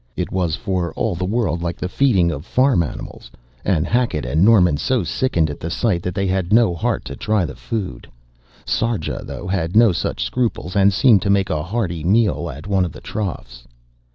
It was for all the world like the feeding of farm animals, and Hackett and Norman so sickened at the sight that they had no heart to try the food. Sarja, though, had no such scruples and seemed to make a hearty meal at one of the troughs.